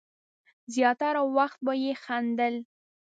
زیاتره وخت به یې خندل.